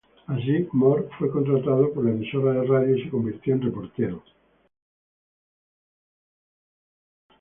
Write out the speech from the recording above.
Así, Mohr fue contratado por la emisora de radio y se convirtió en reportero.